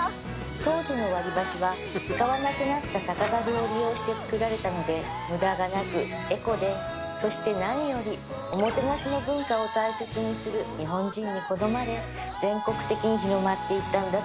当時の割り箸は使わなくなった酒だるを利用して作られたので無駄がなくエコでそして何よりおもてなしの文化を大切にする日本人に好まれ全国的に広まっていったんだと思います